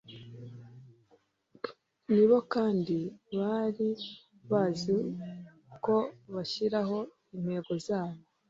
ni bo kandi bari bazi uko bashyiraho intego zabo